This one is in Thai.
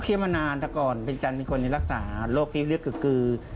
เคี้ยวมานานแต่ก่อนเป็นท่านมีคนที่รักษาโรคพี่เรียกกือกือ